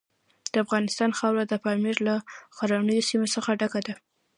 د افغانستان خاوره د پامیر له غرنیو سیمو څخه ډکه ده.